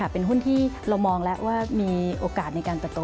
เป็นหุ้นที่เรามองแล้วว่ามีโอกาสในการเติบโต